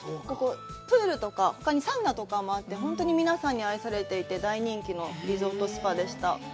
プールとか、ほかにサウナとかもあって皆さんに愛されていて、大人気のリゾートスパでした。